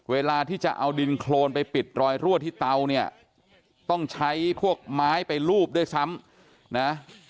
เวลาที่จะเอาดินโครนไปปิดรอยรั่วที่เตาเนี่ยต้องใช้พวกไม้ไปลูบด้วยซ้ำนะ